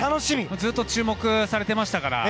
ずっと注目されていましたから。